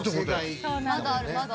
まだあるまだある。